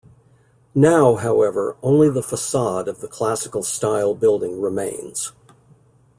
Now, however, only the facade of the classical-style building remains.